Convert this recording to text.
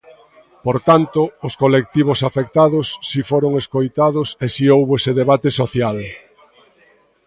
Por tanto, os colectivos afectados si foron escoitados e si houbo ese debate social.